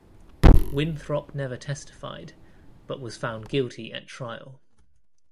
Winthrop never testified, but was found guilty at trial.